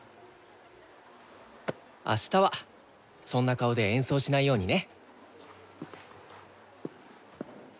あしたはそんな顔で演奏しないようにね！